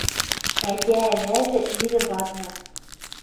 Ӓтя-ӓвӓжӹ ирӹ-вадны